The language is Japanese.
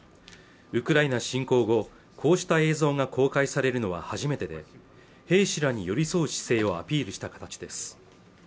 ウクライナ侵攻後こうした映像が公開されるのは初めてで兵士らに寄り添う姿勢をアピールした形です